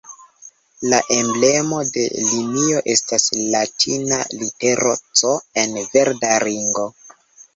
La emblemo de linio estas latina litero "C" en verda ringo.